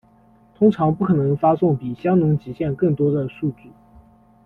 通常不可能发送比香农极限更多的数据。